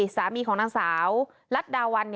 สามีของนางสาวลัดดาวัน